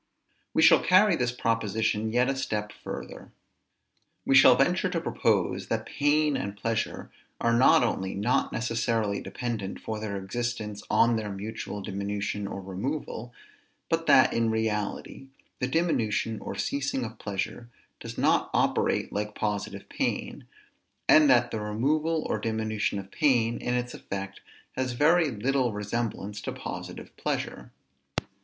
We shall carry this proposition yet a step further. We shall venture to propose, that pain and pleasure are not only not necessarily dependent for their existence on their mutual diminution or removal, but that, in reality, the diminution or ceasing of pleasure does not operate like positive pain; and that the removal or diminution of pain, in its effect, has very little resemblance to positive pleasure.